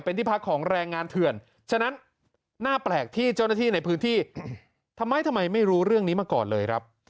เป็นที่พักของแรงงานเถื่อนฉะนั้นน่าแปลกที่เจ้าหน้าที่ในพื้นที่ทำไมทำไมไม่รู้เรื่องนี้มาก่อนเลยครับ